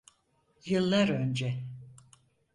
Yıllar önce.